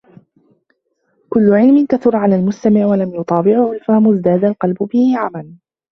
كُلُّ عِلْمٍ كَثُرَ عَلَى الْمُسْتَمِعِ وَلَمْ يُطَاوِعْهُ الْفَهْمُ ازْدَادَ الْقَلْبُ بِهِ عَمًى